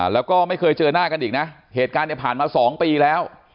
แล้วก็ไม่เคยเจอหน้ากันอีกนะเหตุการณ์เนี่ยผ่านมา๒ปีแล้ว